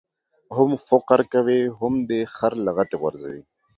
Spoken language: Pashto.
هم فقر کوې ، هم دي خر لغتي غورځوي.